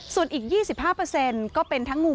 ส่วนอีก๒๕ก็เป็นทั้งงูหรือสัตว์ที่ท่องุ่ม